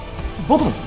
僕も？